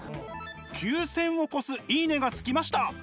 ９，０００を超す「いいね！」がつきました。